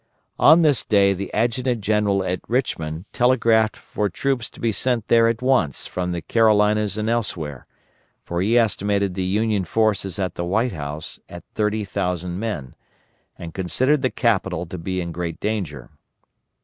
On this day the Adjutant General at Richmond telegraphed for troops to be sent there at once from the Carolinas and elsewhere, for he estimated the Union forces at the White House at thirty thousand men, and considered the capital to be in great danger.